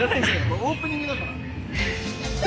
オープニングだから。